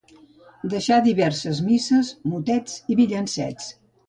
Deixà diverses misses, motets i villancets.